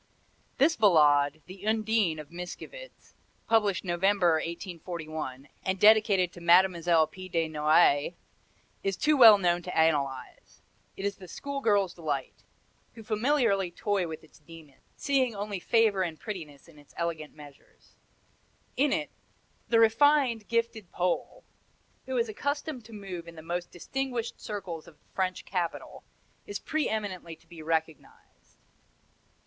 This Ballade, the "Undine" of Mickiewicz, published November, 1841, and dedicated to Mlle. P. de Noailles, is too well known to analyze. It is the schoolgirls' delight, who familiarly toy with its demon, seeing only favor and prettiness in its elegant measures. In it "the refined, gifted Pole, who is accustomed to move in the most distinguished circles of the French capital, is pre eminently to be recognized."